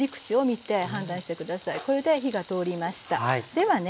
ではね